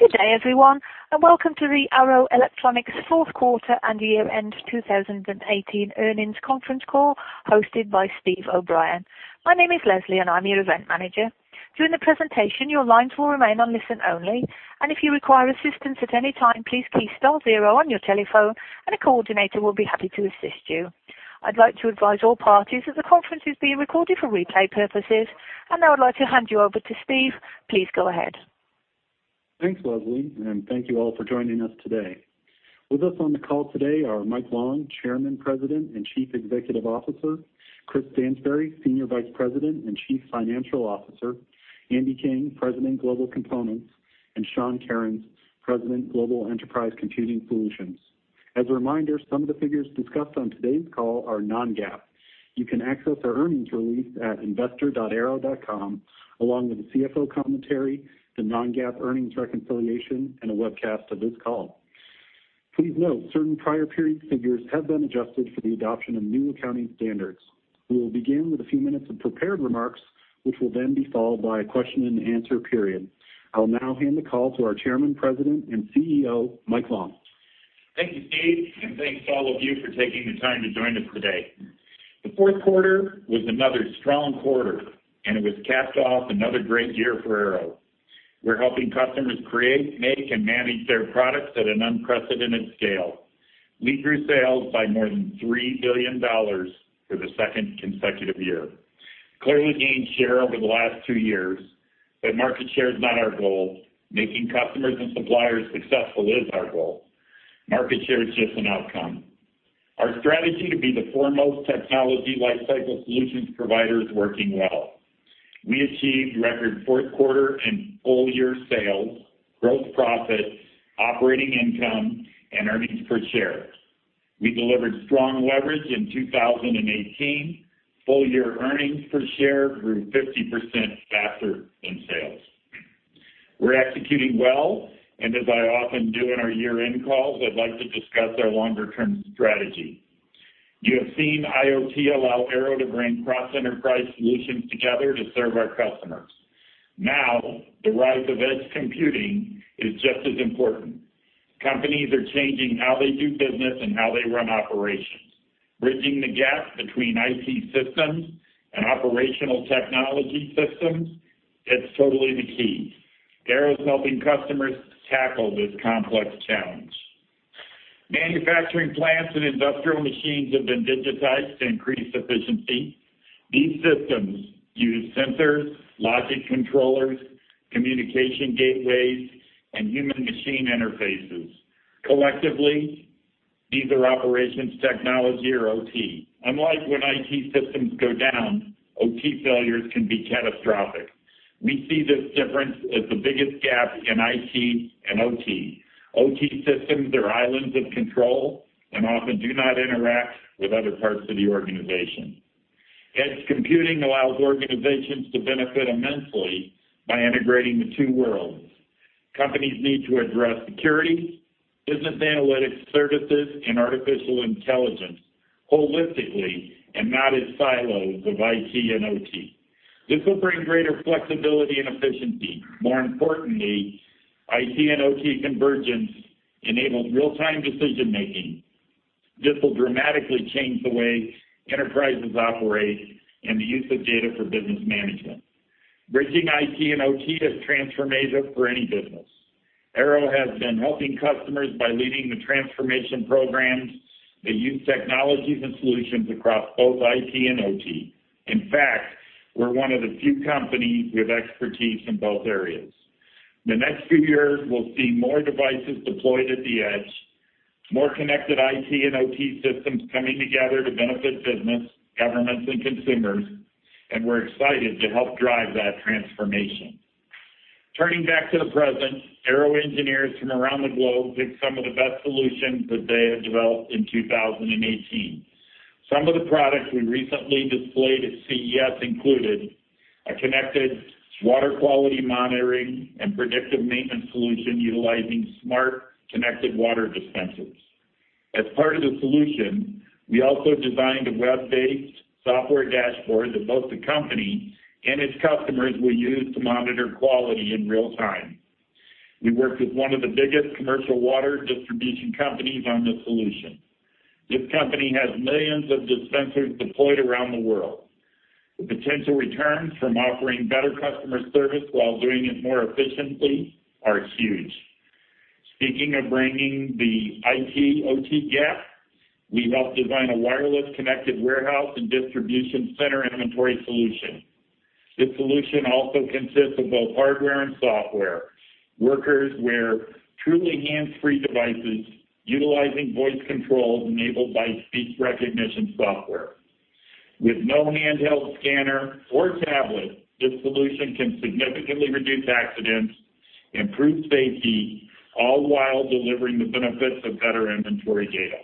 Good day, everyone, and welcome to the Arrow Electronics Fourth Quarter and Year End 2018 Earnings Conference Call, hosted by Steve O'Brien. My name is Lesley, and I'm your event manager. During the presentation, your lines will remain on listen only, and if you require assistance at any time, please press star zero on your telephone, and a coordinator will be happy to assist you. I'd like to advise all parties that the conference is being recorded for replay purposes, and now I'd like to hand you over to Steve. Please go ahead. Thanks, Lesley, and thank you all for joining us today. With us on the call today are Mike Long, Chairman, President, and Chief Executive Officer; Chris Stansbury, Senior Vice President and Chief Financial Officer; Andy King, President, global components; and Sean Kerins, President, Global Enterprise Computing Solutions. As a reminder, some of the figures discussed on today's call are non-GAAP. You can access our earnings release at investor.arrow.com, along with the CFO commentary, the non-GAAP earnings reconciliation, and a webcast of this call. Please note certain prior period figures have been adjusted for the adoption of new accounting standards. We will begin with a few minutes of prepared remarks, which will then be followed by a question and answer period. I'll now hand the call to our Chairman, President, and CEO, Mike Long. Thank you, Steve, and thanks to all of you for taking the time to join us today. The fourth quarter was another strong quarter, and it was capped off another great year for Arrow. We're helping customers create, make, and manage their products at an unprecedented scale, leading through sales by more than $3 billion for the second consecutive year. Clearly gained share over the last two years, but market share is not our goal. Making customers and suppliers successful is our goal. Market share is just an outcome. Our strategy is to be the foremost technology lifecycle solutions providers working well. We achieved record fourth quarter and full year sales, gross profit, operating income, and earnings per share. We delivered strong leverage in 2018. Full year earnings per share grew 50% faster than sales. We're executing well, and as I often do in our year-end calls, I'd like to discuss our longer-term strategy. You have seen IoT allow Arrow to bring cross-enterprise solutions together to serve our customers. Now, the rise of edge computing is just as important. Companies are changing how they do business and how they run operations, bridging the gap between IT systems and operational technology systems. It's totally the key. Arrow is helping customers tackle this complex challenge. Manufacturing plants and industrial machines have been digitized to increase efficiency. These systems use sensors, logic controllers, communication gateways, and human-machine interfaces. Collectively, these are operations technology or OT. Unlike when IT systems go down, OT failures can be catastrophic. We see this difference as the biggest gap in IT and OT. OT systems are islands of control and often do not interact with other parts of the organization. Edge computing allows organizations to benefit immensely by integrating the two worlds. Companies need to address security, business analytics services, and artificial intelligence holistically and not as silos of IT and OT. This will bring greater flexibility and efficiency. More importantly, IT and OT convergence enables real-time decision-making. This will dramatically change the way enterprises operate and the use of data for business management. Bridging IT and OT is transformative for any business. Arrow has been helping customers by leading the transformation programs that use technologies and solutions across both IT and OT. In fact, we're one of the few companies with expertise in both areas. In the next few years, we'll see more devices deployed at the edge, more connected IT and OT systems coming together to benefit business, governments, and consumers, and we're excited to help drive that transformation. Turning back to the present, Arrow engineers from around the globe picked some of the best solutions that they had developed in 2018. Some of the products we recently displayed at CES included a connected water quality monitoring and predictive maintenance solution utilizing smart connected water dispensers. As part of the solution, we also designed a web-based software dashboard that both the company and its customers will use to monitor quality in real time. We worked with one of the biggest commercial water distribution companies on this solution. This company has millions of dispensers deployed around the world. The potential returns from offering better customer service while doing it more efficiently are huge. Speaking of bridging the IT/OT gap, we helped design a wireless connected warehouse and distribution center inventory solution. This solution also consists of both hardware and software. Workers wear truly hands-free devices utilizing voice controls enabled by speech recognition software. With no handheld scanner or tablet, this solution can significantly reduce accidents, improve safety, all while delivering the benefits of better inventory data.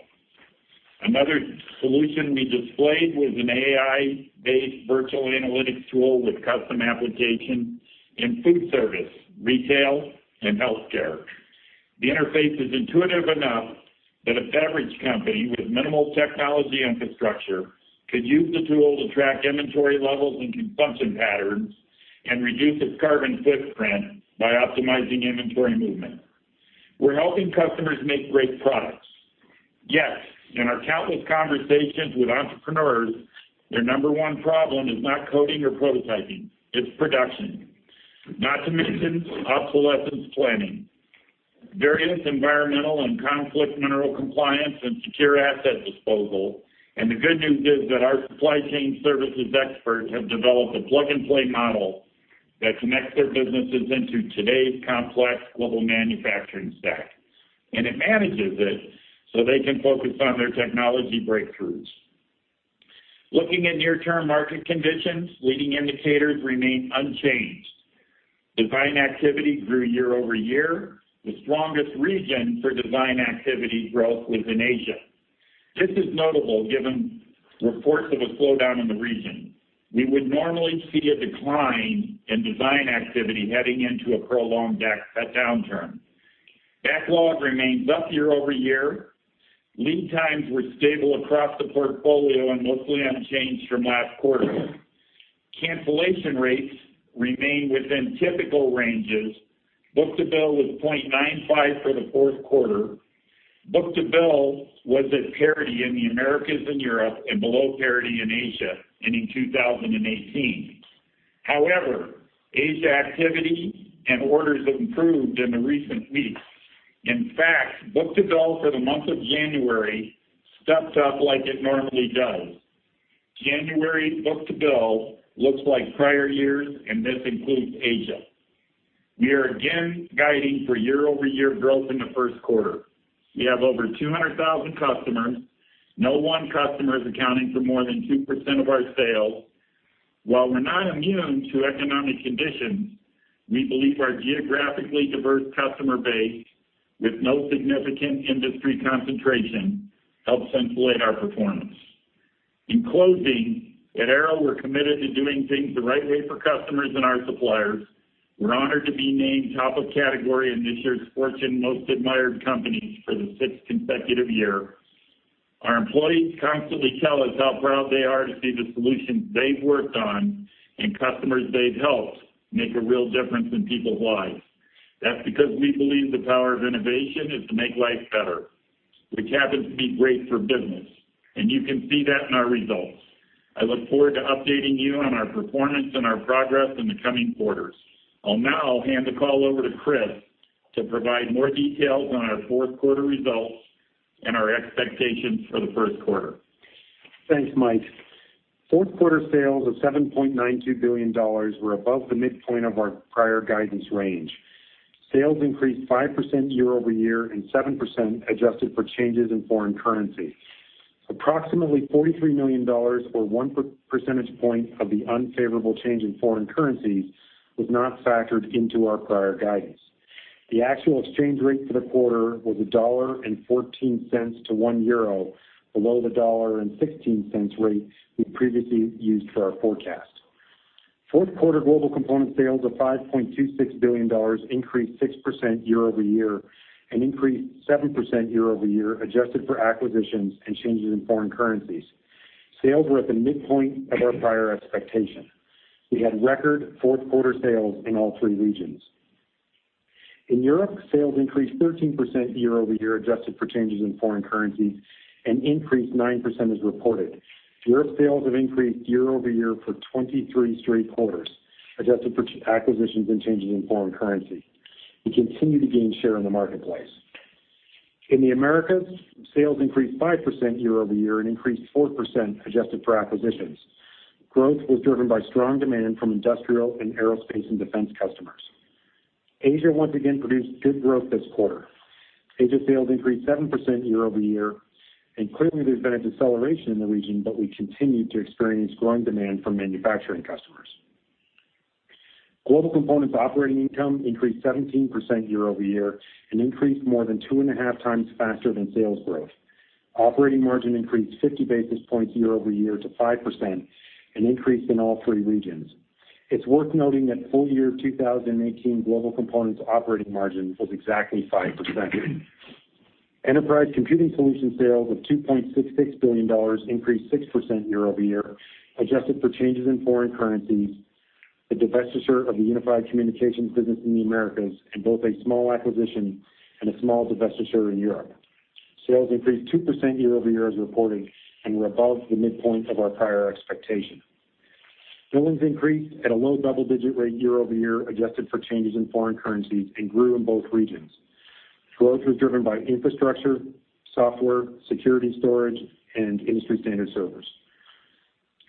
Another solution we displayed was an AI-based virtual analytics tool with custom applications in food service, retail, and healthcare. The interface is intuitive enough that a beverage company with minimal technology infrastructure could use the tool to track inventory levels and consumption patterns and reduce its carbon footprint by optimizing inventory movement. We're helping customers make great products. Yet, in our countless conversations with entrepreneurs, their number one problem is not coding or prototyping. It's production. Not to mention obsolescence planning, various environmental and conflict mineral compliance, and secure asset disposal. The good news is that our supply chain services experts have developed a plug-and-play model that connects their businesses into today's complex global manufacturing stack, and it manages it so they can focus on their technology breakthroughs. Looking at near-term market conditions, leading indicators remain unchanged. Design activity grew year-over-year. The strongest region for design activity growth was in Asia. This is notable given reports of a slowdown in the region. We would normally see a decline in design activity heading into a prolonged downturn. Backlog remains up year-over-year. Lead times were stable across the portfolio and mostly unchanged from last quarter. Cancellation rates remain within typical ranges. Book-to-bill was 0.95 for the fourth quarter. Book-to-bill was at parity in the Americas and Europe and below parity in Asia and in 2018. However, Asia activity and orders have improved in the recent weeks. In fact, book to bill for the month of January stepped up like it normally does. January book to bill looks like prior years, and this includes Asia. We are again guiding for year-over-year growth in the first quarter. We have over 200,000 customers. No one customer is accounting for more than 2% of our sales. While we're not immune to economic conditions, we believe our geographically diverse customer base with no significant industry concentration helps insulate our performance. In closing, at Arrow, we're committed to doing things the right way for customers and our suppliers. We're honored to be named top of category in this year's Fortune Most Admired Companies for the sixth consecutive year. Our employees constantly tell us how proud they are to see the solutions they've worked on and customers they've helped make a real difference in people's lives. That's because we believe the power of innovation is to make life better, which happens to be great for business, and you can see that in our results. I look forward to updating you on our performance and our progress in the coming quarters. I'll now hand the call over to Chris to provide more details on our fourth quarter results and our expectations for the first quarter. Thanks, Mike. Fourth quarter sales of $7.92 billion were above the midpoint of our prior guidance range. Sales increased 5% year-over-year and 7% adjusted for changes in foreign currency. Approximately $43 million, or one percentage point of the unfavorable change in foreign currencies, was not factored into our prior guidance. The actual exchange rate for the quarter was $1.14 to 1 euro below the $1.16 rate we previously used for our forecast. Fourth quarter global component sales of $5.26 billion increased 6% year-over-year and increased 7% year-over-year adjusted for acquisitions and changes in foreign currencies. Sales were at the midpoint of our prior expectation. We had record fourth quarter sales in all three regions. In Europe, sales increased 13% year-over-year adjusted for changes in foreign currencies and increased 9% as reported. Europe sales have increased year-over-year for 23 straight quarters adjusted for acquisitions and changes in foreign currency. We continue to gain share in the marketplace. In the Americas, sales increased 5% year-over-year and increased 4% adjusted for acquisitions. Growth was driven by strong demand from industrial and aerospace and defense customers. Asia once again produced good growth this quarter. Asia sales increased 7% year-over-year, and clearly there's been a deceleration in the region, but we continue to experience growing demand from manufacturing customers. Global Components operating income increased 17% year-over-year and increased more than 2.5 times faster than sales growth. Operating margin increased 50 basis points year-over-year to 5% and increased in all three regions. It's worth noting that full year 2018 Global Components operating margin was exactly 5%. Enterprise Computing Solutions sales of $2.66 billion increased 6% year-over-year adjusted for changes in foreign currencies, the divestiture of the Unified Communications business in the Americas, and both a small acquisition and a small divestiture in Europe. Sales increased 2% year-over-year as reported and were above the midpoint of our prior expectation. Billings increased at a low double-digit rate year-over-year adjusted for changes in foreign currencies and grew in both regions. Growth was driven by infrastructure, software, security storage, and industry standard servers.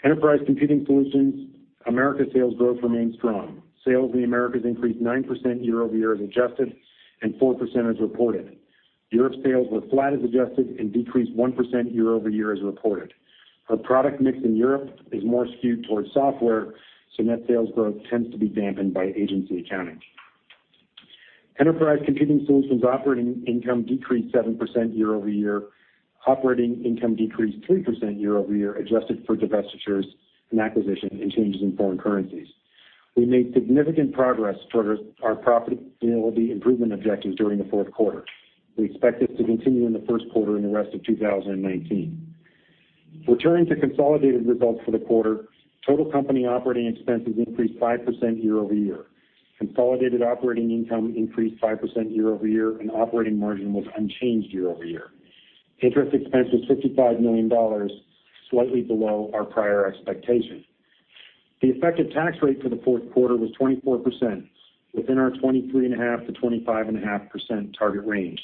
Enterprise Computing Solutions Americas sales growth remained strong. Sales in the Americas increased 9% year-over-year as adjusted and 4% as reported. Europe sales were flat as adjusted and decreased 1% year-over-year as reported. Our product mix in Europe is more skewed towards software, so net sales growth tends to be dampened by agency accounting. Enterprise Computing Solutions operating income decreased 7% year-over-year. Operating income decreased 3% year-over-year adjusted for divestitures and acquisitions and changes in foreign currencies. We made significant progress toward our profitability improvement objectives during the fourth quarter. We expect this to continue in the first quarter and the rest of 2019. Returning to consolidated results for the quarter, total company operating expenses increased 5% year-over-year. Consolidated operating income increased 5% year-over-year, and operating margin was unchanged year-over-year. Interest expense was $55 million, slightly below our prior expectation. The effective tax rate for the fourth quarter was 24% within our 23.5%-25.5% target range.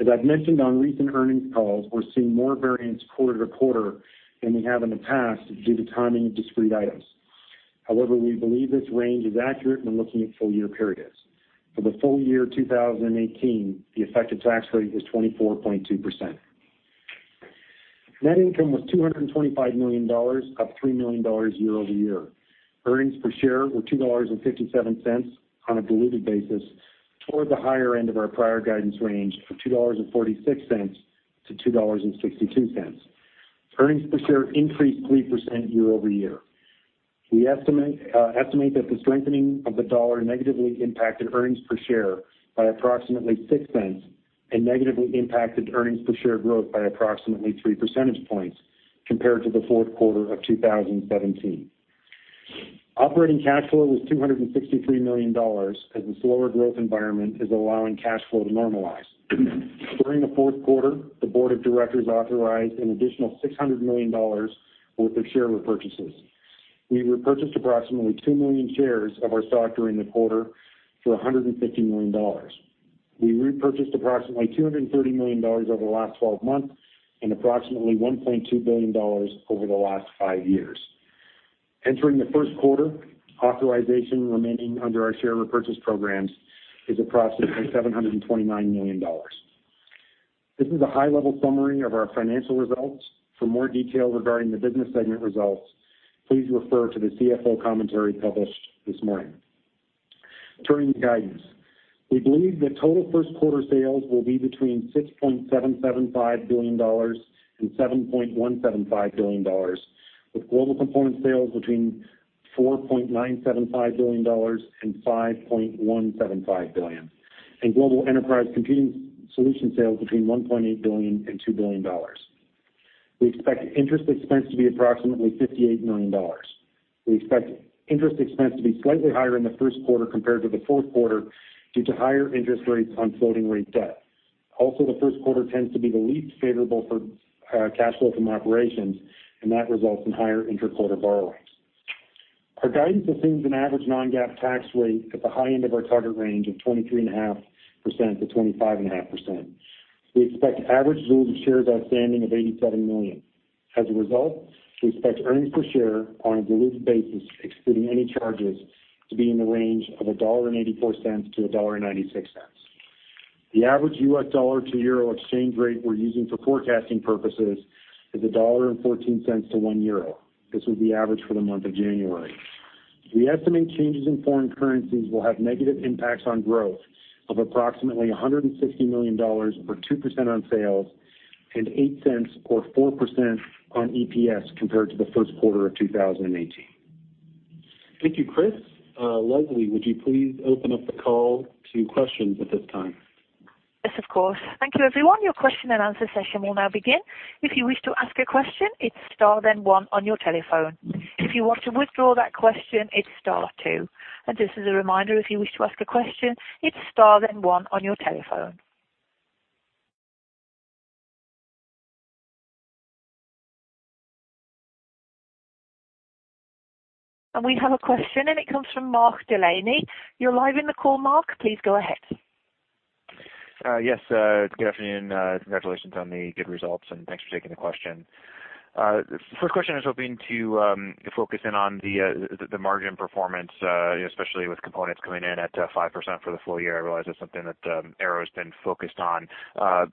As I've mentioned on recent earnings calls, we're seeing more variance quarter-to-quarter than we have in the past due to timing of discrete items. However, we believe this range is accurate when looking at full-year periods. For the full year 2018, the effective tax rate was 24.2%. Net income was $225 million, up $3 million year-over-year. Earnings per share were $2.57 on a diluted basis toward the higher end of our prior guidance range of $2.46-$2.62. Earnings per share increased 3% year-over-year. We estimate that the strengthening of the dollar negatively impacted earnings per share by approximately $0.06 and negatively impacted earnings per share growth by approximately 3 percentage points compared to the fourth quarter of 2017. Operating cash flow was $263 million as the slower growth environment is allowing cash flow to normalize. During the fourth quarter, the board of directors authorized an additional $600 million worth of share repurchases. We repurchased approximately 2 million shares of our stock during the quarter for $150 million. We repurchased approximately $230 million over the last 12 months and approximately $1.2 billion over the last five years. Entering the first quarter, authorization remaining under our share repurchase programs is approximately $729 million. This is a high-level summary of our financial results. For more detail regarding the business segment results, please refer to the CFO commentary published this morning. Turning to guidance, we believe the total first quarter sales will be between $6.775 billion and $7.175 billion, with global components sales between $4.975 billion and $5.175 billion, and global enterprise computing solutions sales between $1.8 billion and $2 billion. We expect interest expense to be approximately $58 million. We expect interest expense to be slightly higher in the first quarter compared to the fourth quarter due to higher interest rates on floating rate debt. Also, the first quarter tends to be the least favorable for cash flow from operations, and that results in higher interquarter borrowings. Our guidance assumes an average non-GAAP tax rate at the high end of our target range of 23.5%-25.5%. We expect average diluted shares outstanding of $87 million. As a result, we expect earnings per share on a diluted basis, excluding any charges, to be in the range of $1.84-$1.96. The average US dollar to euro exchange rate we're using for forecasting purposes is $1.14 to 1 euro. This will be average for the month of January. We estimate changes in foreign currencies will have negative impacts on growth of approximately $160 million or 2% on sales and $0.08 or 4% on EPS compared to the first quarter of 2018. Thank you, Chris. Lesley, would you please open up the call to questions at this time? Yes, of course. Thank you, everyone. Your question and answer session will now begin. If you wish to ask a question, it's star then one on your telephone. If you want to withdraw that question, it's star two. And just as a reminder, if you wish to ask a question, it's star then one on your telephone. And we have a question, and it comes from Mark Delaney. You're live in the call, Mark. Please go ahead. Yes. Good afternoon. Congratulations on the good results, and thanks for taking the question. The first question I was hoping to focus in on the margin performance, especially with components coming in at 5% for the full year. I realize that's something that Arrow has been focused on.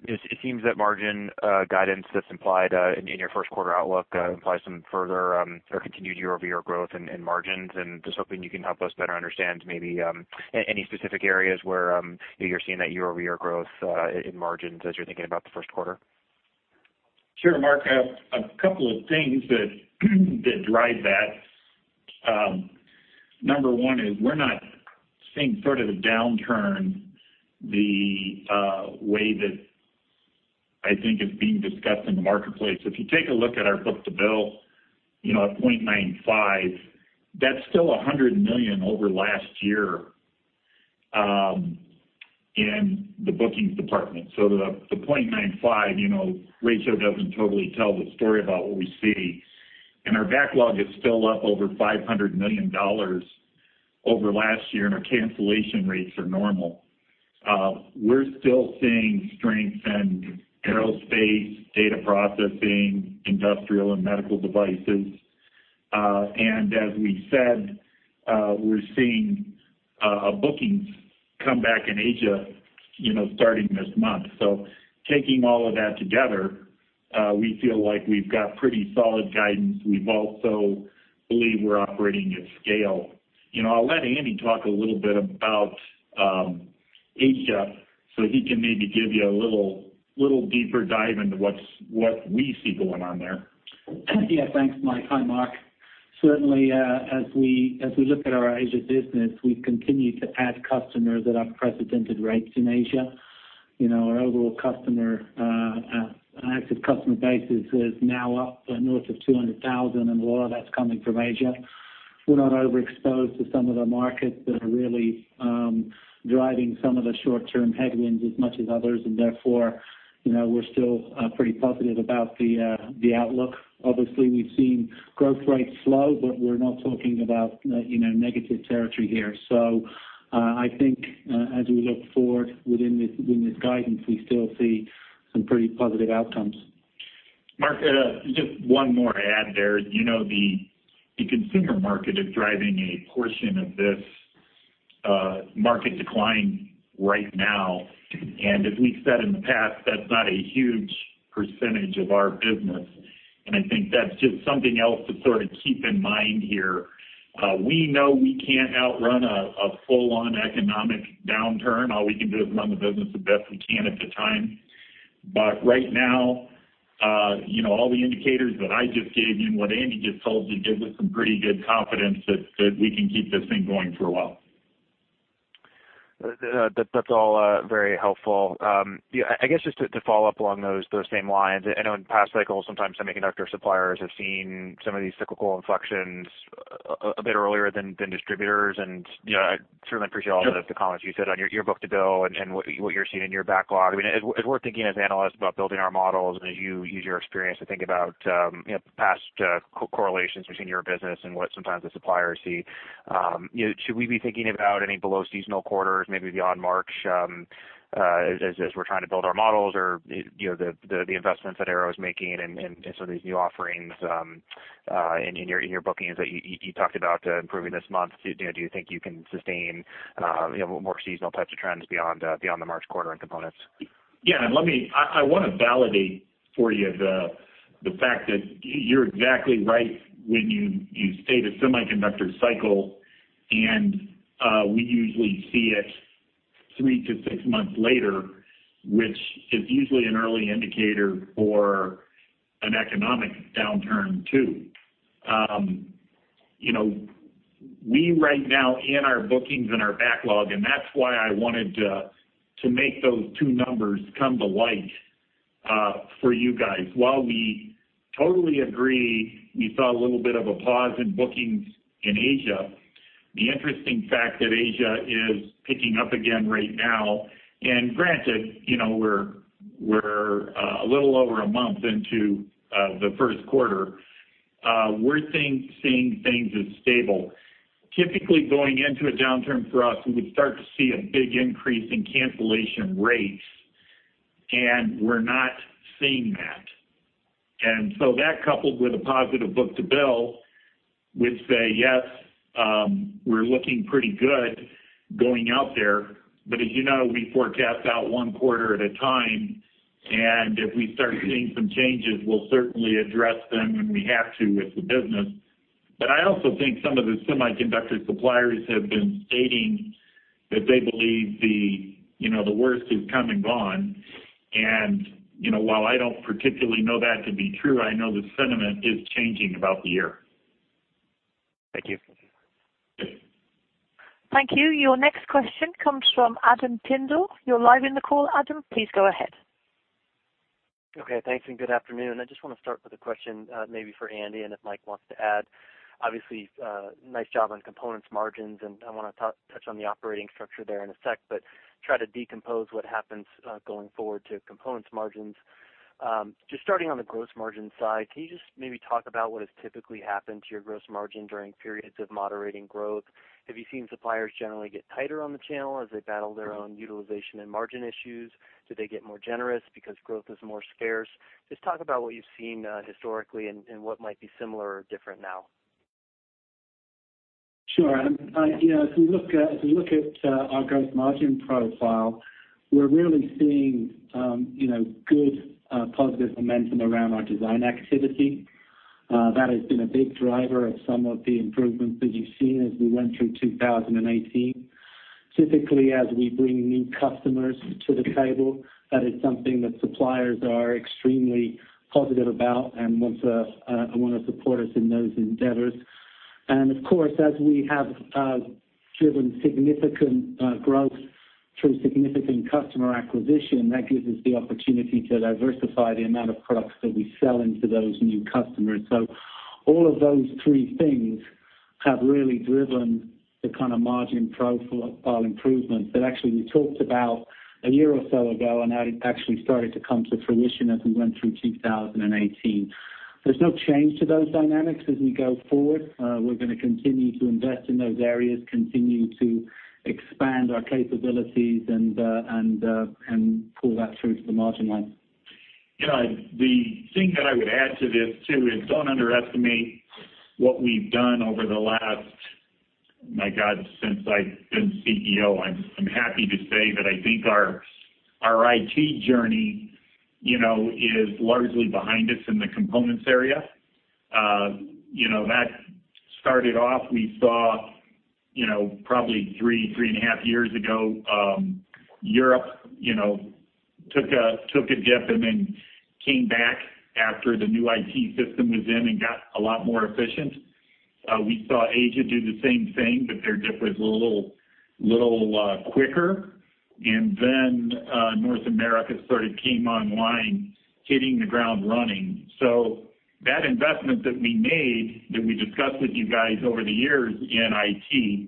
It seems that margin guidance that's implied in your first quarter outlook implies some further or continued year-over-year growth in margins. Just hoping you can help us better understand maybe any specific areas where you're seeing that year-over-year growth in margins as you're thinking about the first quarter. Sure, Mark. A couple of things that drive that. Number one is we're not seeing sort of a downturn the way that I think is being discussed in the marketplace. If you take a look at our book to bill at 0.95, that's still $100 million over last year in the bookings department. So the 0.95 ratio doesn't totally tell the story about what we see. And our backlog is still up over $500 million over last year, and our cancellation rates are normal. We're still seeing strength in aerospace, data processing, industrial, and medical devices. And as we said, we're seeing bookings come back in Asia starting this month. So taking all of that together, we feel like we've got pretty solid guidance. We also believe we're operating at scale. I'll let Andy talk a little bit about Asia so he can maybe give you a little deeper dive into what we see going on there. Yeah, thanks, Mike. Hi, Mark. Certainly, as we look at our Asia business, we've continued to add customers that have precedented rates in Asia. Our overall active customer base is now up north of 200,000, and a lot of that's coming from Asia. We're not overexposed to some of the markets that are really driving some of the short-term headwinds as much as others, and therefore, we're still pretty positive about the outlook. Obviously, we've seen growth rates slow, but we're not talking about negative territory here. So I think as we look forward within this guidance, we still see some pretty positive outcomes. Mark, just one more add there. The consumer market is driving a portion of this market decline right now. As we've said in the past, that's not a huge percentage of our business. I think that's just something else to sort of keep in mind here. We know we can't outrun a full-on economic downturn. All we can do is run the business the best we can at the time. But right now, all the indicators that I just gave you and what Andy just told you give us some pretty good confidence that we can keep this thing going for a while. That's all very helpful. I guess just to follow up along those same lines, I know in past cycles, sometimes semiconductor suppliers have seen some of these cyclical inflections a bit earlier than distributors. I certainly appreciate all the comments you said on your book to bill and what you're seeing in your backlog. I mean, as we're thinking as analysts about building our models and as you use your experience to think about past correlations between your business and what sometimes the suppliers see, should we be thinking about any below seasonal quarters, maybe beyond March, as we're trying to build our models or the investments that Arrow is making and some of these new offerings in your bookings that you talked about improving this month? Do you think you can sustain more seasonal types of trends beyond the March quarter and components? Yeah. I want to validate for you the fact that you're exactly right when you say the semiconductor cycle, and we usually see it 3-6 months later, which is usually an early indicator for an economic downturn too. We right now in our bookings and our backlog, and that's why I wanted to make those two numbers come to light for you guys. While we totally agree we saw a little bit of a pause in bookings in Asia, the interesting fact that Asia is picking up again right now, and granted, we're a little over a month into the first quarter, we're seeing things as stable. Typically, going into a downturn for us, we would start to see a big increase in cancellation rates, and we're not seeing that. And so that, coupled with a positive book to bill, would say, yes, we're looking pretty good going out there. But as you know, we forecast out one quarter at a time, and if we start seeing some changes, we'll certainly address them when we have to with the business. But I also think some of the semiconductor suppliers have been stating that they believe the worst is come and gone. And while I don't particularly know that to be true, I know the sentiment is changing about the year. Thank you. Yes. Thank you. Your next question comes from Adam Tindle. You're live in the call, Adam. Please go ahead. Okay. Thanks, and good afternoon. I just want to start with a question maybe for Andy and if Mike wants to add. Obviously, nice job on components margins, and I want to touch on the operating structure there in a sec, but try to decompose what happens going forward to components margins. Just starting on the gross margin side, can you just maybe talk about what has typically happened to your gross margin during periods of moderating growth? Have you seen suppliers generally get tighter on the channel as they battle their own utilization and margin issues? Do they get more generous because growth is more scarce? Just talk about what you've seen historically and what might be similar or different now. Sure. If we look at our gross margin profile, we're really seeing good positive momentum around our design activity. That has been a big driver of some of the improvements that you've seen as we went through 2018. Typically, as we bring new customers to the table, that is something that suppliers are extremely positive about and want to support us in those endeavors. And of course, as we have driven significant growth through significant customer acquisition, that gives us the opportunity to diversify the amount of products that we sell into those new customers. So all of those three things have really driven the kind of margin profile improvements that actually we talked about a year or so ago and actually started to come to fruition as we went through 2018. There's no change to those dynamics as we go forward. We're going to continue to invest in those areas, continue to expand our capabilities, and pull that through to the margin line. Yeah. The thing that I would add to this too is don't underestimate what we've done over the last, my God, since I've been CEO. I'm happy to say that I think our IT journey is largely behind us in the components area. That started off. We saw probably 3-3.5 years ago, Europe took a dip and then came back after the new IT system was in and got a lot more efficient. We saw Asia do the same thing, but their dip was a little quicker. And then North America sort of came online, hitting the ground running. So that investment that we made that we discussed with you guys over the years in IT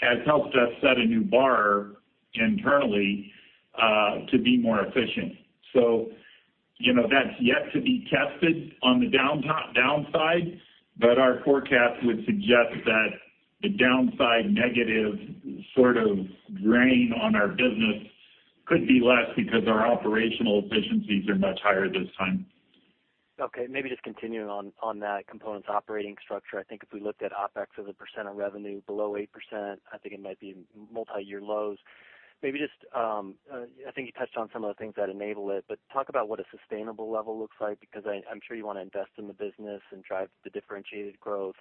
has helped us set a new bar internally to be more efficient. That's yet to be tested on the downside, but our forecast would suggest that the downside negative sort of drain on our business could be less because our operational efficiencies are much higher this time. Okay. Maybe just continuing on that components operating structure. I think if we looked at OPEX as a percent of revenue below 8%, I think it might be multi-year lows. Maybe just I think you touched on some of the things that enable it, but talk about what a sustainable level looks like because I'm sure you want to invest in the business and drive the differentiated growth.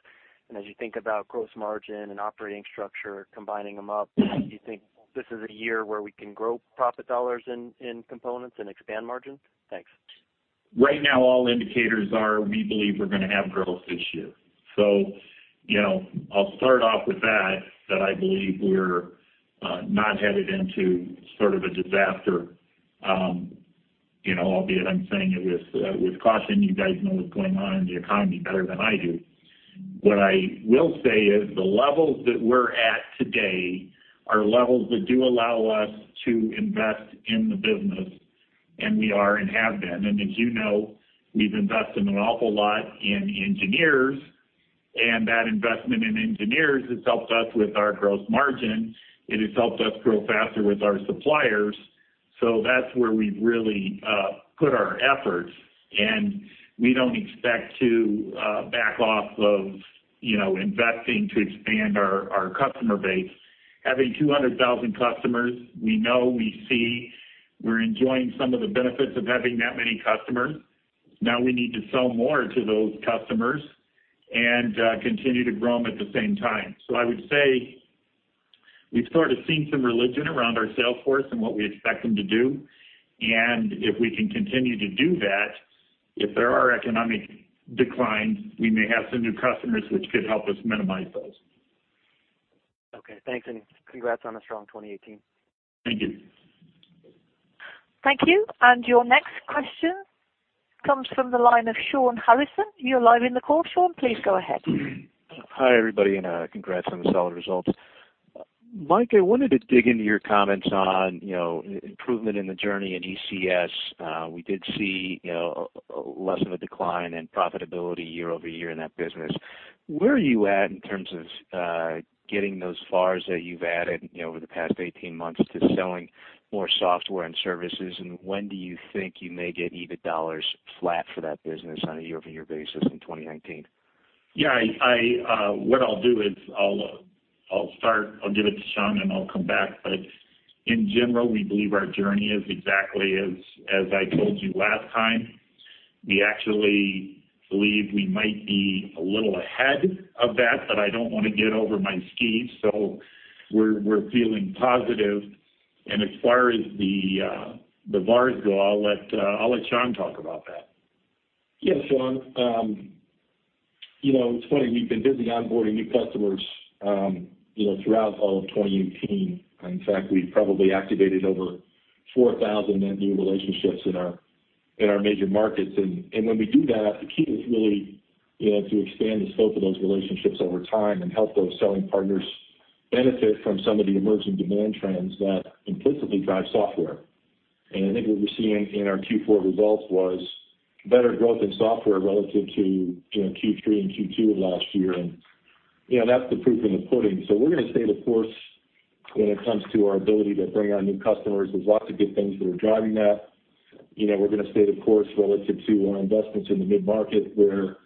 And as you think about gross margin and operating structure, combining them up, do you think this is a year where we can grow profit dollars in components and expand margins? Thanks. Right now, all indicators are, we believe, we're going to have growth this year. I'll start off with that, that I believe we're not headed into sort of a disaster, albeit I'm saying it with caution. You guys know what's going on in the economy better than I do. What I will say is the levels that we're at today are levels that do allow us to invest in the business, and we are and have been. As you know, we've invested an awful lot in engineers, and that investment in engineers has helped us with our gross margin. It has helped us grow faster with our suppliers. That's where we've really put our efforts. We don't expect to back off of investing to expand our customer base. Having 200,000 customers, we know, we see, we're enjoying some of the benefits of having that many customers. Now we need to sell more to those customers and continue to grow them at the same time. So I would say we've sort of seen some religion around our salesforce and what we expect them to do. And if we can continue to do that, if there are economic declines, we may have some new customers which could help us minimize those. Okay. Thanks, and congrats on a strong 2018. Thank you. Thank you. Your next question comes from the line of Sean Harrison. You're live in the call. Sean, please go ahead. Hi, everybody, and congrats on the solid results. Mike, I wanted to dig into your comments on improvement in the journey in ECS. We did see less of a decline in profitability year-over-year in that business. Where are you at in terms of getting those VARs that you've added over the past 18 months to selling more software and services? And when do you think you may get EBIT dollars flat for that business on a year-over-year basis in 2019? Yeah. What I'll do is I'll start, I'll give it to Sean, and I'll come back. But in general, we believe our journey is exactly as I told you last time. We actually believe we might be a little ahead of that, but I don't want to get over my skis. So we're feeling positive. And as far as the VARs go, I'll let Sean talk about that. Yeah, Sean. It's funny. We've been busy onboarding new customers throughout all of 2018. In fact, we've probably activated over 4,000 net new relationships in our major markets. And when we do that, the key is really to expand the scope of those relationships over time and help those selling partners benefit from some of the emerging demand trends that implicitly drive software. And I think what we're seeing in our Q4 results was better growth in software relative to Q3 and Q2 of last year. And that's the proof in the pudding. So we're going to stay the course when it comes to our ability to bring our new customers. There's lots of good things that are driving that. We're going to stay the course relative to our investments in the mid-market where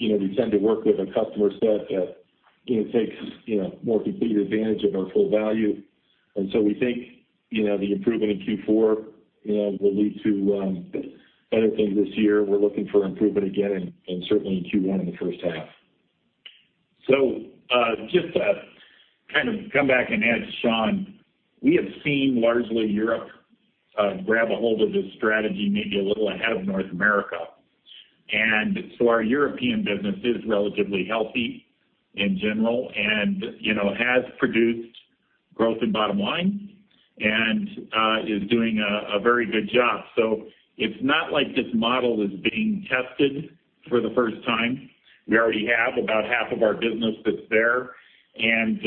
we tend to work with a customer set that takes more complete advantage of our full value. And so we think the improvement in Q4 will lead to better things this year. We're looking for improvement again and certainly in Q1 in the first half. So just to kind of come back and add to Sean, we have seen largely Europe grab a hold of this strategy maybe a little ahead of North America. And so our European business is relatively healthy in general and has produced growth in bottom line and is doing a very good job. So it's not like this model is being tested for the first time. We already have about half of our business that's there. And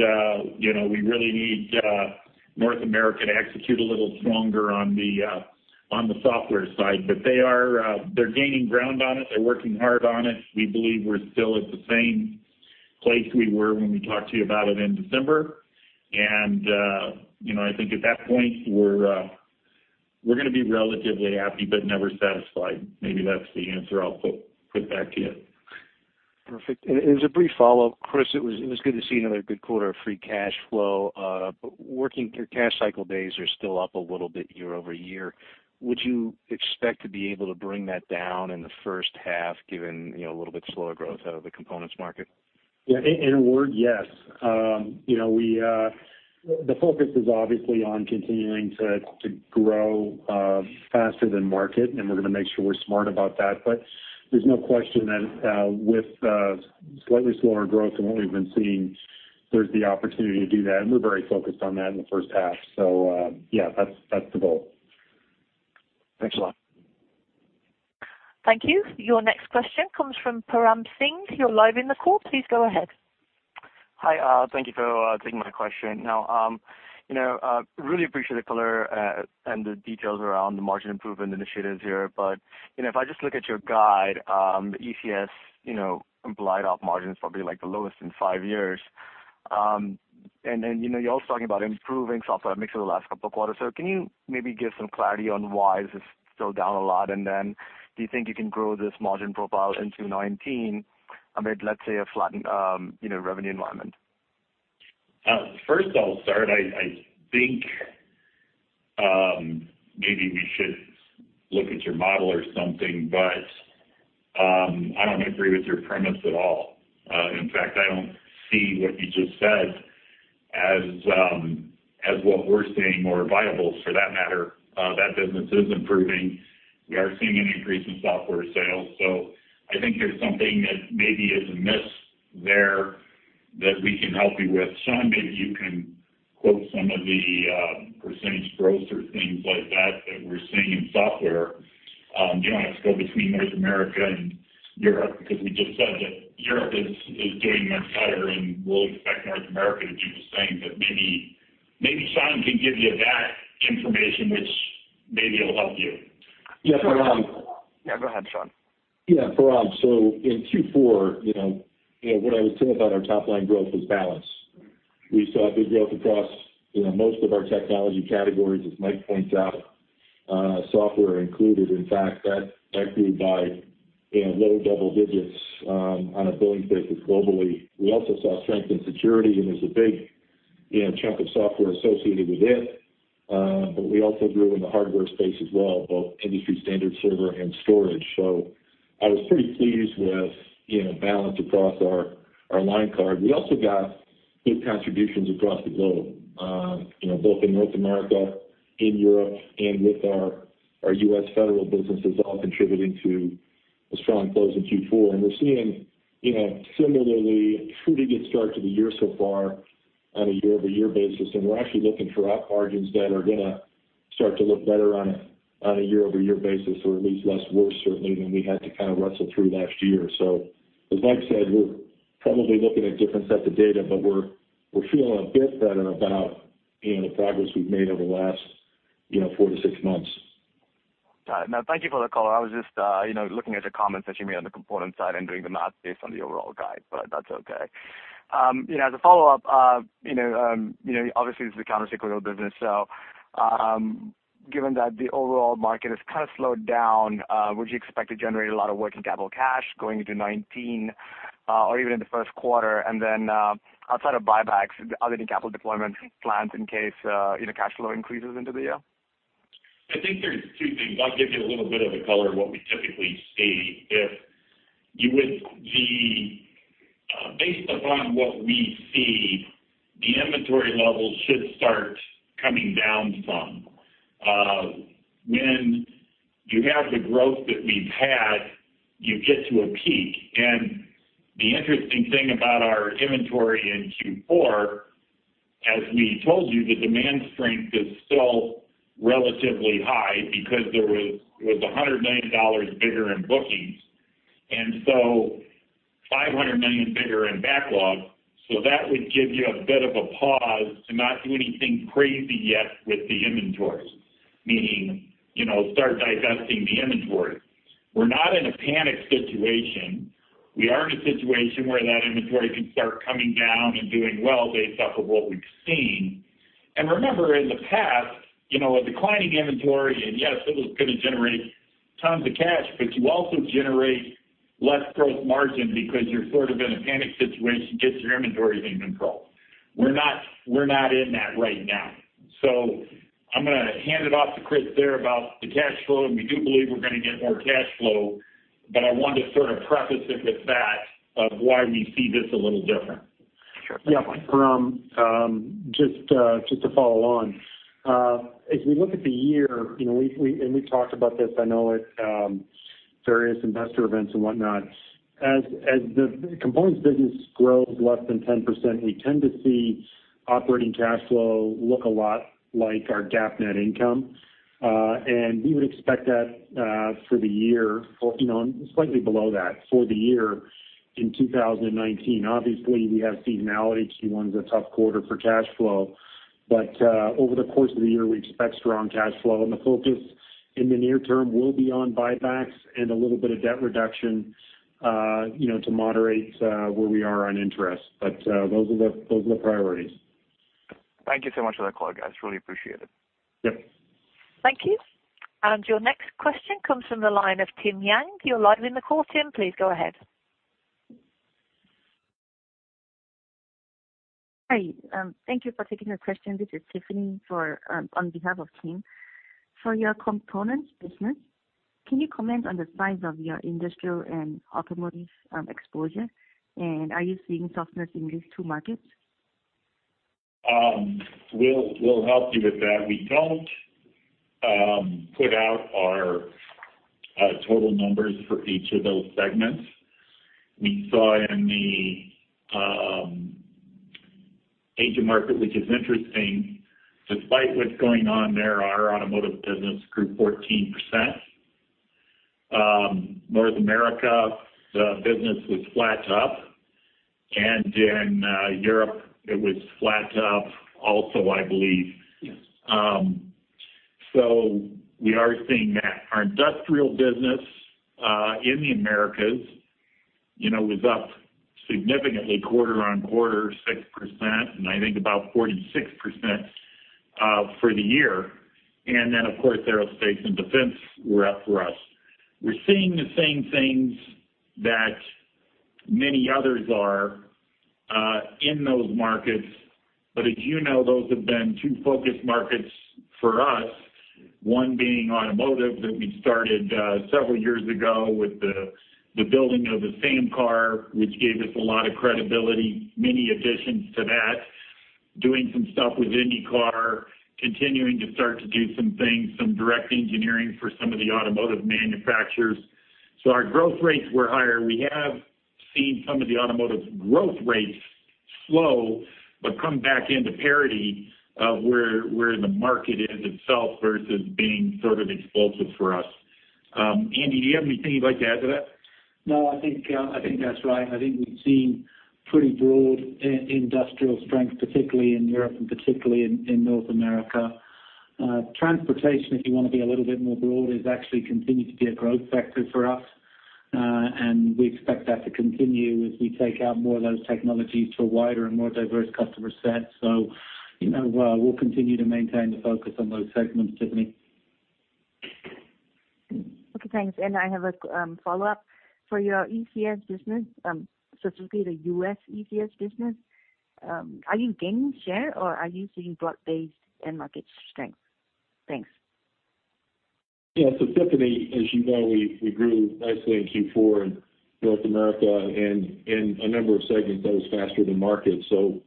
we really need North America to execute a little stronger on the software side. But they're gaining ground on it. They're working hard on it. We believe we're still at the same place we were when we talked to you about it in December. And I think at that point, we're going to be relatively happy but never satisfied. Maybe that's the answer I'll put back to you. Perfect. As a brief follow-up, Chris, it was good to see another good quarter of free cash flow. Your cash cycle days are still up a little bit year-over-year. Would you expect to be able to bring that down in the first half given a little bit slower growth out of the components market? Yeah. In a word, yes. The focus is obviously on continuing to grow faster than market, and we're going to make sure we're smart about that. But there's no question that with slightly slower growth than what we've been seeing, there's the opportunity to do that. And we're very focused on that in the first half. So yeah, that's the goal. Excellent. Thank you. Your next question comes from Param Singh. You're live in the call. Please go ahead. Hi. Thank you for taking my question. Now, really appreciate the color and the details around the margin improvement initiatives here. But if I just look at your guide, ECS implied op margins probably like the lowest in five years. And you're also talking about improving software mix over the last couple of quarters. So can you maybe give some clarity on why this is still down a lot? And then do you think you can grow this margin profile into 2019 amid, let's say, a flattened revenue environment? First, I'll start. I think maybe we should look at your model or something, but I don't agree with your premise at all. In fact, I don't see what you just said as what we're seeing or viable for that matter. That business is improving. We are seeing an increase in software sales. So I think there's something that maybe is amiss there that we can help you with. Sean, maybe you can quote some of the percentage growth or things like that that we're seeing in software. You don't have to go between North America and Europe because we just said that Europe is doing much better, and we'll expect North America to do the same. But maybe Sean can give you that information, which maybe it'll help you. Yeah, Param. Yeah. Go ahead, Sean. Yeah. Param. So in Q4, what I would say about our top-line growth was balanced. We saw good growth across most of our technology categories, as Mike points out, software included. In fact, that grew by low double digits on a billing basis globally. We also saw strength in security, and there's a big chunk of software associated with it. But we also grew in the hardware space as well, both industry standard server and storage. So I was pretty pleased with balance across our line card. We also got good contributions across the globe, both in North America, in Europe, and with our U.S. federal businesses all contributing to a strong close in Q4. And we're seeing similarly a pretty good start to the year so far on a year-over-year basis. We're actually looking for up margins that are going to start to look better on a year-over-year basis or at least less worse, certainly, than we had to kind of wrestle through last year. So as Mike said, we're probably looking at different sets of data, but we're feeling a bit better about the progress we've made over the last four to six months. Got it. Now, thank you for the call. I was just looking at your comments that you made on the component side and doing the math based on the overall guide, but that's okay. As a follow-up, obviously, this is a countercyclical business. So given that the overall market has kind of slowed down, would you expect to generate a lot of working capital cash going into 2019 or even in the first quarter? And then outside of buybacks, other than capital deployment plans in case cash flow increases into the year? I think there's two things. I'll give you a little bit of a color of what we typically see. Based upon what we see, the inventory levels should start coming down some. When you have the growth that we've had, you get to a peak. The interesting thing about our inventory in Q4, as we told you, the demand strength is still relatively high because it was $100 million bigger in bookings and $500 million bigger in backlog. That would give you a bit of a pause to not do anything crazy yet with the inventory, meaning start divesting the inventory. We're not in a panic situation. We are in a situation where that inventory can start coming down and doing well based off of what we've seen. And remember, in the past, a declining inventory, and yes, it was going to generate tons of cash, but you also generate less gross margin because you're sort of in a panic situation getting your inventories in control. We're not in that right now. So I'm going to hand it off to Chris there about the cash flow, and we do believe we're going to get more cash flow, but I want to sort of preface it with that of why we see this a little different. Sure. Yeah. Param, just to follow on, as we look at the year, and we've talked about this, I know at various investor events and whatnot, as the components business grows less than 10%, we tend to see operating cash flow look a lot like our GAAP net income. And we would expect that for the year or slightly below that for the year in 2019. Obviously, we have seasonality. Q1 is a tough quarter for cash flow. But over the course of the year, we expect strong cash flow. And the focus in the near term will be on buybacks and a little bit of debt reduction to moderate where we are on interest. But those are the priorities. Thank you so much for that call, guys. Really appreciate it. Yep. Thank you. And your next question comes from the line of Tim Yang. You're live in the call. Tim, please go ahead. Hi. Thank you for taking the question. This is Tiffany on behalf of Tim. For your components business, can you comment on the size of your industrial and automotive exposure? And are you seeing softness in these two markets? We'll help you with that. We don't put out our total numbers for each of those segments. We saw in the Asia market, which is interesting, despite what's going on there, our automotive business grew 14%. North America, the business was flat up. In Europe, it was flat up also, I believe. We are seeing that. Our industrial business in the Americas was up significantly quarter-over-quarter, 6%, and I think about 46% for the year. Then, of course, aerospace and defense were up for us. We're seeing the same things that many others are in those markets. But as you know, those have been two focus markets for us, one being automotive that we started several years ago with the building of the SAM car, which gave us a lot of credibility, many additions to that, doing some stuff with IndyCar, continuing to start to do some things, some direct engineering for some of the automotive manufacturers. So our growth rates were higher. We have seen some of the automotive growth rates slow but come back into parity of where the market is itself versus being sort of explosive for us. Andy, do you have anything you'd like to add to that? No, I think that's right. I think we've seen pretty broad industrial strength, particularly in Europe and particularly in North America. Transportation, if you want to be a little bit more broad, has actually continued to be a growth factor for us. And we expect that to continue as we take out more of those technologies to a wider and more diverse customer set. So we'll continue to maintain the focus on those segments, Tiffany. Okay. Thanks. And I have a follow-up for your ECS business, specifically the U.S. ECS business. Are you gaining share or are you seeing block-based end-market strength? Thanks. Yeah. So Tiffany, as you know, we grew nicely in Q4 in North America and in a number of segments that was faster than market. So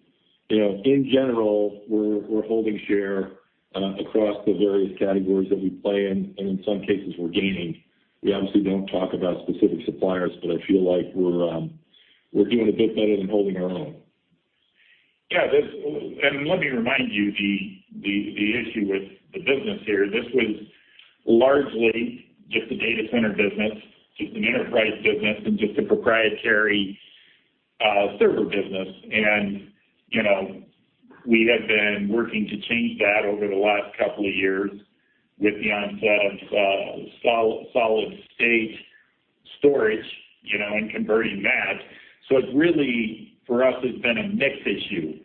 in general, we're holding share across the various categories that we play in, and in some cases, we're gaining. We obviously don't talk about specific suppliers, but I feel like we're doing a bit better than holding our own. Yeah. And let me remind you the issue with the business here. This was largely just a data center business, just an enterprise business, and just a proprietary server business. And we have been working to change that over the last couple of years with the onset of solid-state storage and converting that. So it really, for us, has been a mixed issue.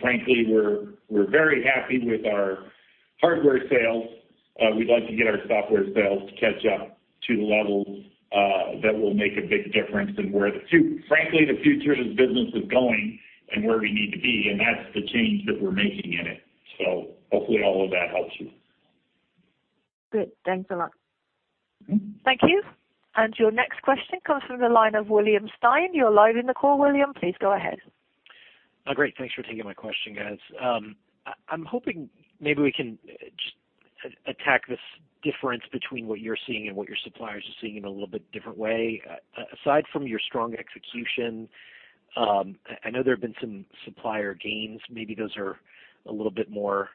Frankly, we're very happy with our hardware sales. We'd like to get our software sales to catch up to the level that will make a big difference in where the future of this business is going and where we need to be. That's the change that we're making in it. Hopefully, all of that helps you. Good. Thanks a lot. Thank you. Your next question comes from the line of William Stein. You're live in the call, William. Please go ahead. Great. Thanks for taking my question, guys. I'm hoping maybe we can just attack this difference between what you're seeing and what your suppliers are seeing in a little bit different way. Aside from your strong execution, I know there have been some supplier gains. Maybe those are a little bit more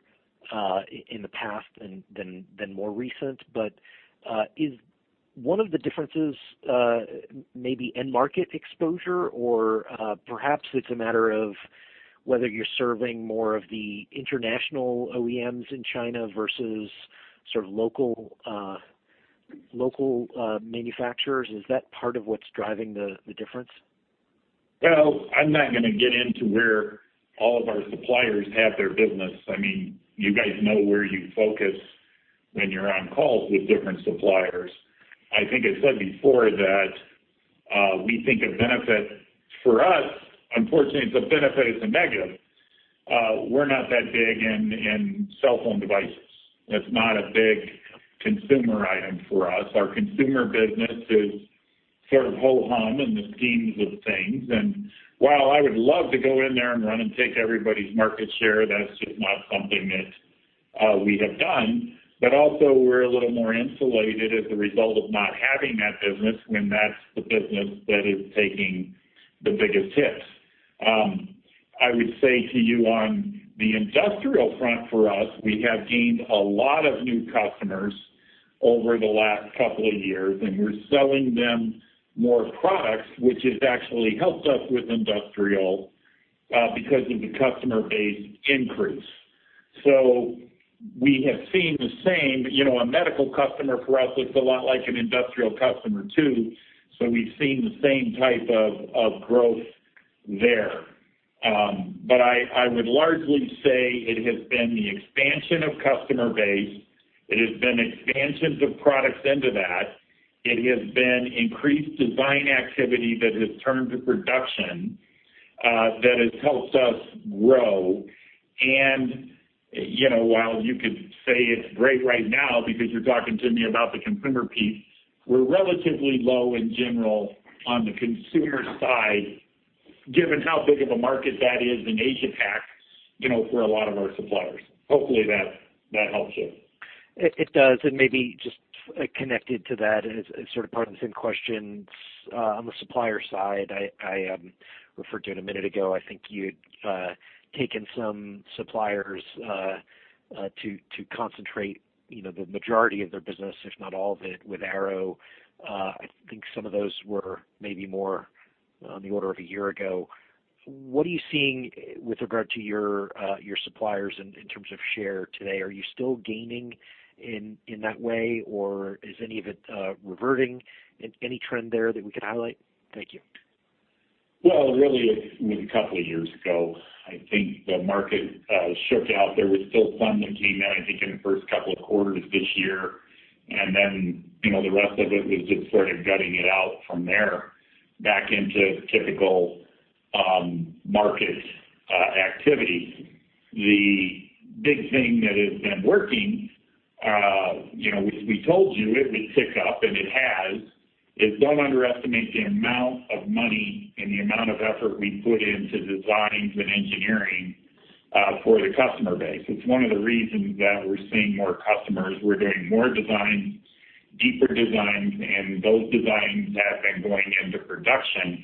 in the past than more recent. But is one of the differences maybe end-market exposure, or perhaps it's a matter of whether you're serving more of the international OEMs in China versus sort of local manufacturers? Is that part of what's driving the difference? No, I'm not going to get into where all of our suppliers have their business. I mean, you guys know where you focus when you're on calls with different suppliers. I think I said before that we think a benefit for us, unfortunately, it's a benefit. It's a negative. We're not that big in cell phone devices. That's not a big consumer item for us. Our consumer business is sort of ho-hum in the scheme of things. And while I would love to go in there and run and take everybody's market share, that's just not something that we have done. But also, we're a little more insulated as a result of not having that business when that's the business that is taking the biggest hits. I would say to you on the industrial front for us, we have gained a lot of new customers over the last couple of years, and we're selling them more products, which has actually helped us with industrial because of the customer base increase. So we have seen the same. A medical customer for us looks a lot like an industrial customer too. So we've seen the same type of growth there. But I would largely say it has been the expansion of customer base. It has been expansions of products into that. It has been increased design activity that has turned to production that has helped us grow. While you could say it's great right now because you're talking to me about the consumer piece, we're relatively low in general on the consumer side, given how big of a market that is in Asia-Pac for a lot of our suppliers. Hopefully, that helps you. It does. And maybe just connected to that as sort of part of the same question on the supplier side, I referred to it a minute ago. I think you'd taken some suppliers to concentrate the majority of their business, if not all of it, with Arrow. I think some of those were maybe more on the order of a year ago. What are you seeing with regard to your suppliers in terms of share today? Are you still gaining in that way, or is any of it reverting? Any trend there that we could highlight? Thank you. Well, really, it was a couple of years ago. I think the market shook out. There was still some that came in, I think, in the first couple of quarters this year. And then the rest of it was just sort of gutting it out from there back into typical market activity. The big thing that has been working, which we told you it would tick up, and it has, is don't underestimate the amount of money and the amount of effort we put into designs and engineering for the customer base. It's one of the reasons that we're seeing more customers. We're doing more designs, deeper designs, and those designs have been going into production.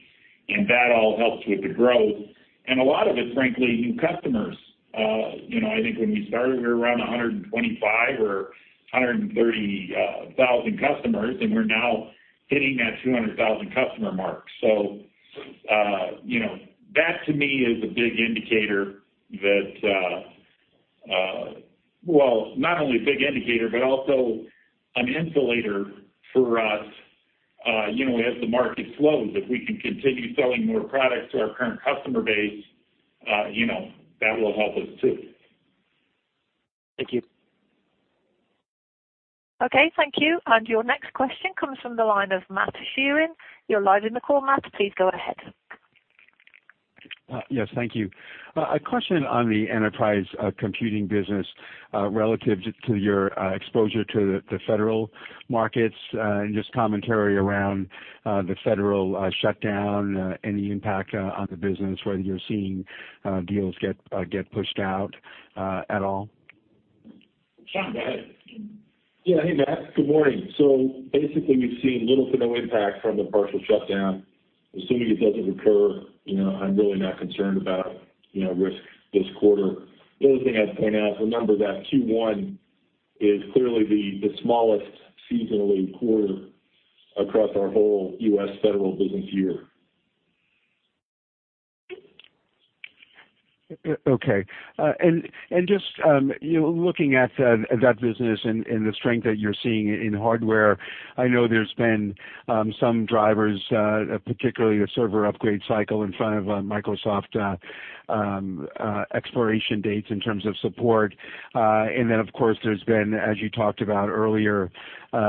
And that all helps with the growth. And a lot of it, frankly, new customers. I think when we started, we were around 125,000 or 130,000 customers, and we're now hitting that 200,000 customer mark. So that, to me, is a big indicator that, well, not only a big indicator, but also an insulator for us as the market slows. If we can continue selling more products to our current customer base, that will help us too. Thank you. Okay. Thank you. Your next question comes from the line of Matt Sheerin. You're live in the call. Matt, please go ahead. Yes. Thank you. A question on the enterprise computing business relative to your exposure to the federal markets and just commentary around the federal shutdown, any impact on the business, whether you're seeing deals get pushed out at all? Sure. Go ahead. Yeah. Hey, Matt. Good morning. So basically, we've seen little to no impact from the partial shutdown. Assuming it doesn't recur, I'm really not concerned about risk this quarter. The other thing I'd point out, remember that Q1 is clearly the smallest seasonally quarter across our whole U.S. federal business year. Okay. And just looking at that business and the strength that you're seeing in hardware, I know there's been some drivers, particularly a server upgrade cycle in front of Microsoft expiration dates in terms of support. And then, of course, there's been, as you talked about earlier,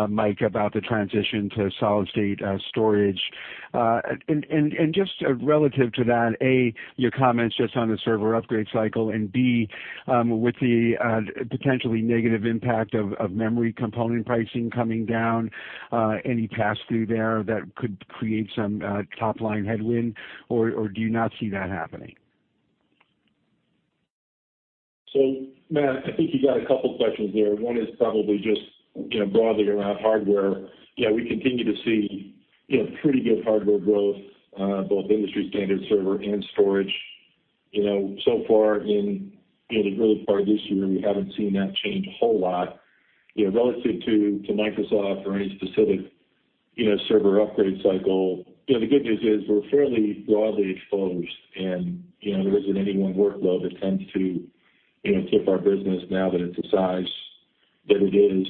Mike, about the transition to solid-state storage. And just relative to that, A, your comments just on the server upgrade cycle, and B, with the potentially negative impact of memory component pricing coming down, any pass-through there that could create some top-line headwind, or do you not see that happening? So Matt, I think you got a couple of questions there. One is probably just broadly around hardware. Yeah, we continue to see pretty good hardware growth, both industry standard server and storage. So far, in the early part of this year, we haven't seen that change a whole lot. Relative to Microsoft or any specific server upgrade cycle, the good news is we're fairly broadly exposed, and there isn't any one workload that tends to tip our business now that it's the size that it is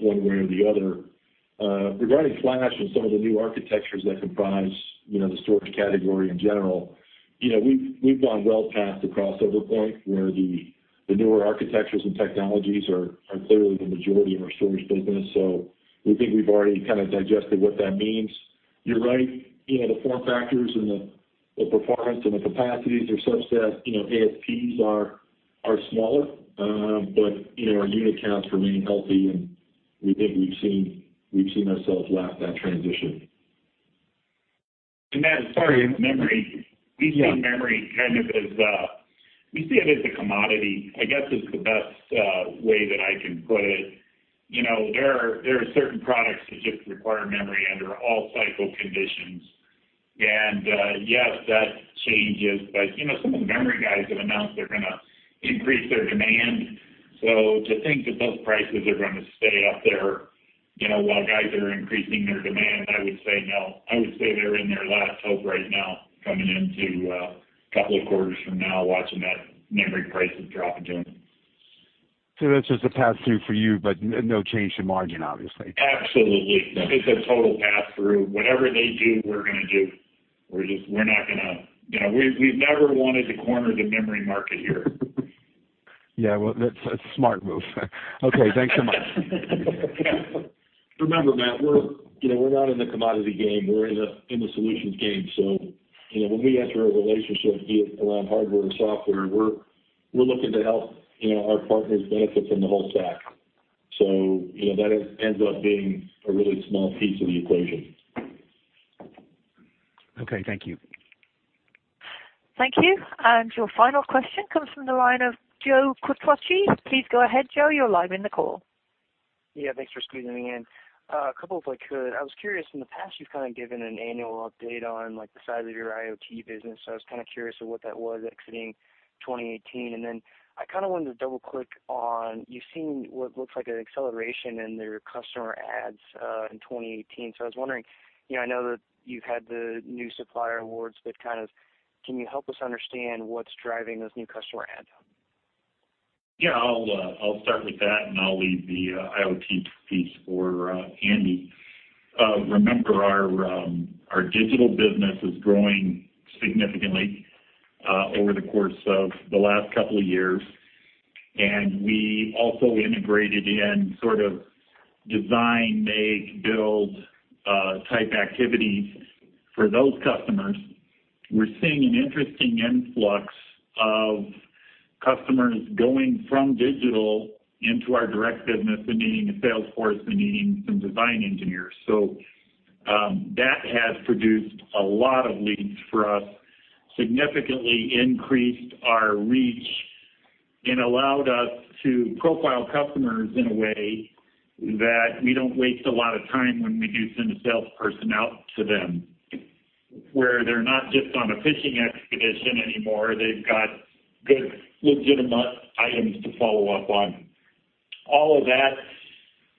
one way or the other. Regarding flash and some of the new architectures that comprise the storage category in general, we've gone well past the crossover point where the newer architectures and technologies are clearly the majority of our storage business. So we think we've already kind of digested what that means. You're right. The form factors and the performance and the capacities are subset. ASPs are smaller, but our unit counts remain healthy, and we think we've seen ourselves last that transition. And Matt, sorry. Memory. We see memory kind of as we see it as a commodity. I guess it's the best way that I can put it. There are certain products that just require memory under all cycle conditions. And yes, that changes. But some of the memory guys have announced they're going to increase their demand. So to think that those prices are going to stay up there while guys are increasing their demand, I would say no. I would say they're in their last hope right now coming into a couple of quarters from now, watching that memory prices drop again. That's just a pass-through for you, but no change in margin, obviously. Absolutely. It's a total pass-through. Whatever they do, we're going to do. We're not going to. We've never wanted to corner the market here. Yeah. Well, that's a smart move. Okay. Thanks so much. Remember, Matt, we're not in the commodity game. We're in the solutions game. So when we enter a relationship, be it around hardware or software, we're looking to help our partners benefit from the whole stack. So that ends up being a really small piece of the equation. Okay. Thank you. Thank you. Your final question comes from the line of Joe Quatrochi. Please go ahead, Joe. You're live in the call. Yeah. Thanks for squeezing me in. I was curious. In the past, you've kind of given an annual update on the size of your IoT business. So I was kind of curious of what that was exiting 2018. And then I kind of wanted to double-click on you've seen what looks like an acceleration in your customer adds in 2018. So I was wondering, I know that you've had the new supplier awards, but kind of can you help us understand what's driving those new customer adds? Yeah. I'll start with that, and I'll leave the IoT piece for Andy. Remember, our digital business is growing significantly over the course of the last couple of years. We also integrated in sort of design, make, build type activities for those customers. We're seeing an interesting influx of customers going from digital into our direct business and meeting the sales force and meeting some design engineers. So that has produced a lot of leads for us, significantly increased our reach, and allowed us to profile customers in a way that we don't waste a lot of time when we do send a salesperson out to them where they're not just on a fishing expedition anymore. They've got good, legitimate items to follow up on. All of that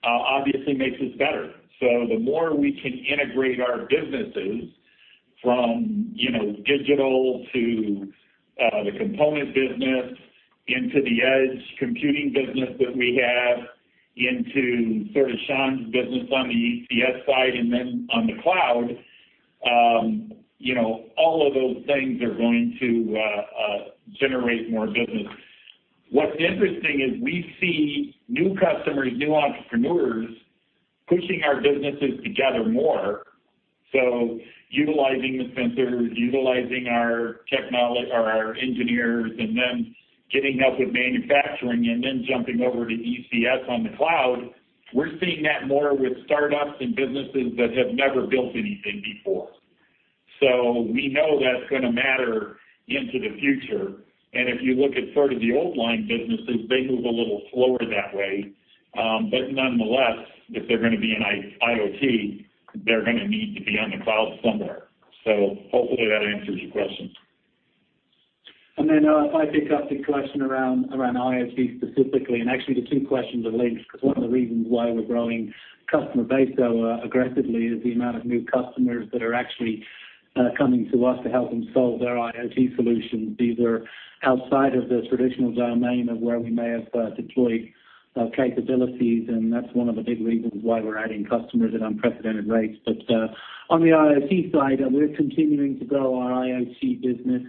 obviously makes us better. So the more we can integrate our businesses from digital to the component business into the edge computing business that we have into sort of Sean's business on the ECS side and then on the cloud, all of those things are going to generate more business. What's interesting is we see new customers, new entrepreneurs pushing our businesses together more. So utilizing the sensors, utilizing our engineers, and then getting help with manufacturing, and then jumping over to ECS on the cloud, we're seeing that more with startups and businesses that have never built anything before. So we know that's going to matter into the future. And if you look at sort of the old line businesses, they move a little slower that way. But nonetheless, if they're going to be in IoT, they're going to need to be on the cloud somewhere. So hopefully, that answers your question. And then if I pick up the question around IoT specifically, and actually the two questions are linked because one of the reasons why we're growing customer base so aggressively is the amount of new customers that are actually coming to us to help them solve their IoT solutions. These are outside of the traditional domain of where we may have deployed capabilities. And that's one of the big reasons why we're adding customers at unprecedented rates. But on the IoT side, we're continuing to grow our IoT business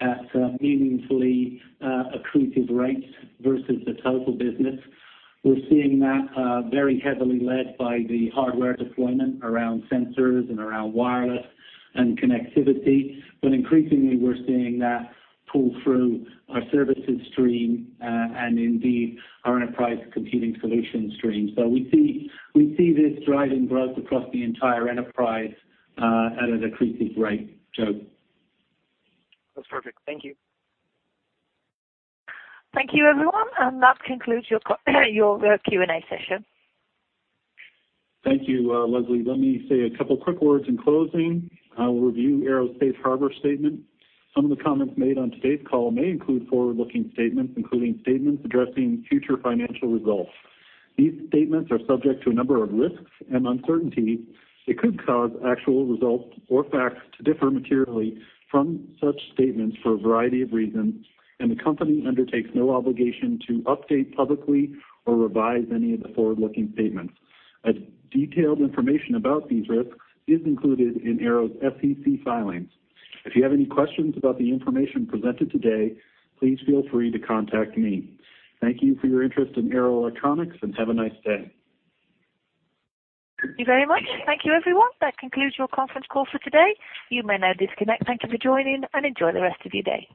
at meaningfully accretive rates versus the total business. We're seeing that very heavily led by the hardware deployment around sensors and around wireless and connectivity. But increasingly, we're seeing that pull through our services stream and indeed our enterprise computing solution stream. So we see this driving growth across the entire enterprise at an accretive rate, Joe. That's perfect. Thank you. Thank you, everyone. That concludes your Q&A session. Thank you, Leslie. Let me say a couple of quick words in closing. I will review Arrow's Safe Harbor statement. Some of the comments made on today's call may include forward-looking statements, including statements addressing future financial results. These statements are subject to a number of risks and uncertainties. It could cause actual results or facts to differ materially from such statements for a variety of reasons, and the company undertakes no obligation to update publicly or revise any of the forward-looking statements. Detailed information about these risks is included in Arrow's SEC filings. If you have any questions about the information presented today, please feel free to contact me. Thank you for your interest in Arrow Electronics, and have a nice day. Thank you very much. Thank you, everyone. That concludes your conference call for today. You may now disconnect. Thank you for joining, and enjoy the rest of your day.